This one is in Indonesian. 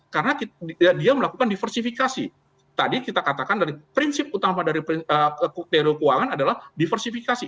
karena dia melakukan diversifikasi tadi kita katakan prinsip utama dari kodeo keuangan adalah diversifikasi